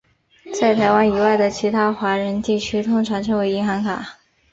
在台湾以外的其他华人地区通常称为银行卡。